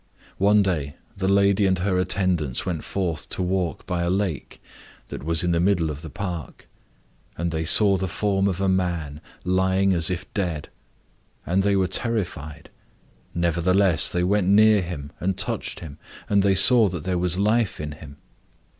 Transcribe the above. One day the lady and her attendants went forth to walk by a lake that was in the middle of the park. And they saw the form of a man, lying as if dead. And they were terrified. Nevertheless they went near him, and touched him, and they saw that there was life in him.